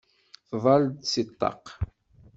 Tḍall-d seg ṭṭaq.